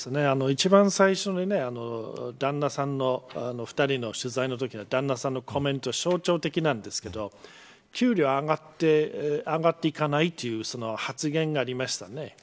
一番最初の旦那さんの２人の取材のときに旦那さんのコメントが象徴的なんですけど給料が上がっていかないという発言がありましたね。